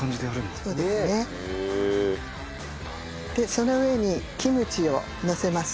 その上にキムチをのせます。